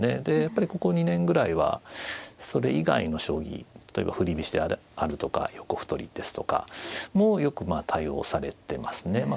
でやっぱりここ２年ぐらいはそれ以外の将棋例えば振り飛車であるとか横歩取りですとかもよく多用されてますね。